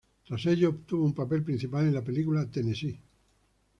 Tras ello obtuvo un papel principal en la película "Tennessee".